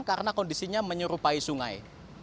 karena kondisinya menyerupai sungai